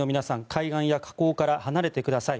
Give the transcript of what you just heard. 海岸や河口から離れてください。